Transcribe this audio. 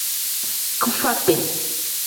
Kifati.